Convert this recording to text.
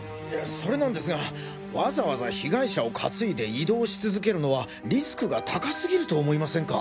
それなんですがわざわざ被害者をかついで移動し続けるのはリスクが高すぎると思いませんか？